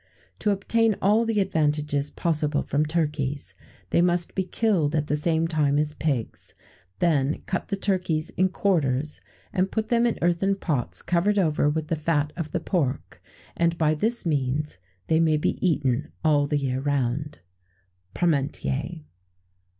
"To obtain all the advantages possible from turkeys, they must be killed at the same time as pigs; then cut the turkeys in quarters, and put them in earthen pots covered over with the fat of the pork, and by this means they may be eaten all the year round." PARMENTIER.